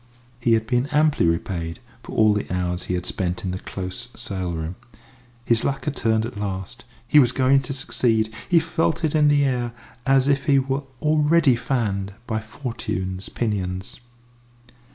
He had been amply repaid for all the hours he had spent in the close sale room. His luck had turned at last: he was going to succeed; he felt it in the air, as if he were already fanned by Fortune's pinions.